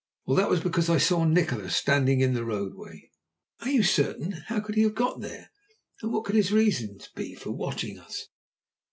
Well, that was because I saw Nikola standing in the roadway." "Are you certain? How could he have got here? And what could his reasons be for watching us?"